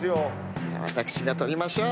じゃあ私が取りましょう。